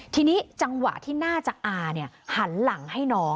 ทีนี้จังหวะที่หน้าจากอาเนี่ยหันหลังให้น้อง